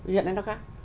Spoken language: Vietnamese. hiện nay nó khác